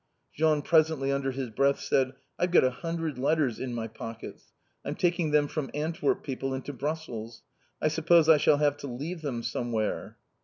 Jean presently under his breath, said: "I've got a hundred letters in, my pockets. I'm taking them from Antwerp people into Brussels. I suppose I shall have to leave them somewhere!"